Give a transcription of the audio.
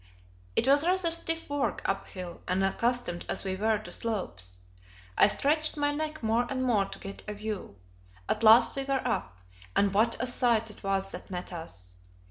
It was rather stiff work uphill, unaccustomed as we were to slopes. I stretched my neck more and more to get a view. At last we were up; and what a sight it was that met us!